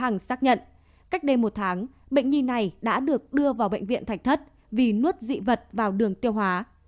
hằng xác nhận cách đây một tháng bệnh nhi này đã được đưa vào bệnh viện thạch thất vì nuốt dị vật vào đường tiêu hóa